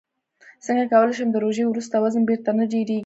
څنګه کولی شم د روژې وروسته وزن بېرته نه ډېرېږي